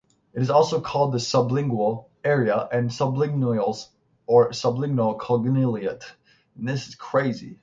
It is also called the subgenual area, area subgenualis or subgenual cingulate.